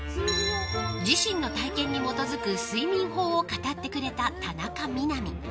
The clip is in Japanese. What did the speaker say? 自身の体験に基づく睡眠法を語ってくれた田中みな実。